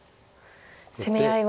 攻め合いは。